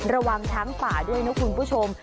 ระวังช้างป่าด้วยนะคุณผู้ชม